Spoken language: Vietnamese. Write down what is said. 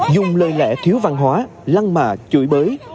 dùng lời lẽ thiếu văn hóa lăng mạ chửi bới